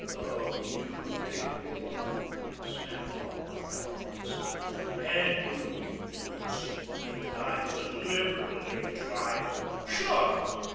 "Oh, you did, did you!" snapped Hawkeye ominously. "And you mean to insinuate that I deliberately tried to " "Sure!"